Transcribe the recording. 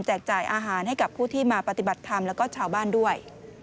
จ่ายอาหารให้กับผู้ที่มาปฏิบัติธรรมแล้วก็ชาวบ้านด้วย